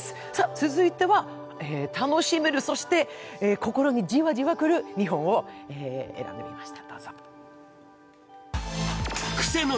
続いては、楽しめる、そして心にじわじわくる２本を選んでみました。